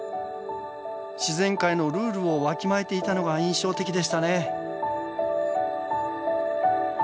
自然界のルールをわきまえていたのが印象的でしたね。